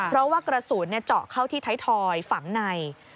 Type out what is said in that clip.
เพราะว่ากระสุนเจาะเข้าที่ไทยทอยฝังใน